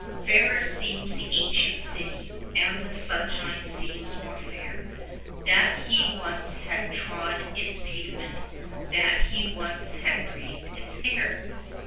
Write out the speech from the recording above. Fairer seems the ancient city, and the sunshine seems more fair, That he once has trod its pavement, that he once has breathed its air!